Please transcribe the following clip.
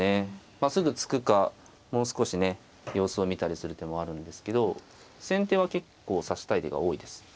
まあすぐ突くかもう少しね様子を見たりする手もあるんですけど先手は結構指したい手が多いです。